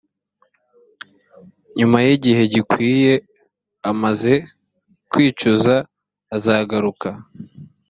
nyuma y igihe gikwiye amaze kwicuza azagaruke